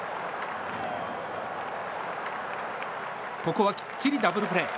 ここはきっちりダブルプレー。